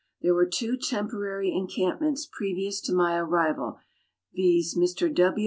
There were two temporary encampments previous to my arrival, viz., Mr. W.